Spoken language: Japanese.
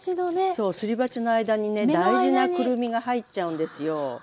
そうすり鉢の間にね大事なくるみが入っちゃうんですよ。